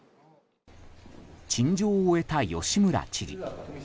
陳情を終えた吉村知事。